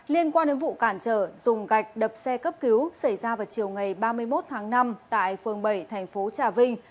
liên quan đến vụ cản trở dùng gạch đập xe cấp cứu xảy ra vào chiều ngày ba mươi một tháng năm tại phương bảy tp trà vinh